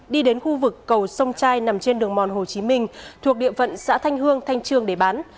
đi đến khu vực cầu sông trai nằm trên đường mòn hồ chí minh thuộc địa phận xã thanh hương thanh trương để bán